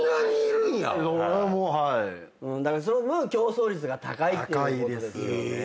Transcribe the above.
だからその分競争率が高いっていうことですよね。